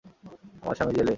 আমার স্বামী জেলে।